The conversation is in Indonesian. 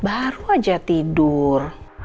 baru aja tidur